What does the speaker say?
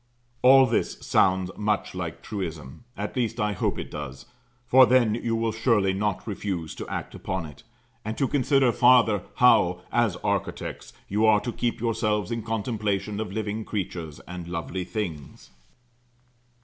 All this sounds much like truism, at least I hope it does, for then you will surely not refuse to act upon it; and to consider farther, how, as architects, you are to keep yourselves in contemplation of living creatures and lovely things.